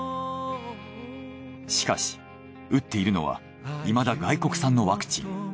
しかし打っているのはいまだ外国産のワクチン。